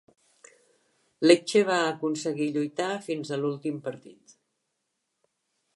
Lecce va aconseguir lluitar fins a l'últim partit.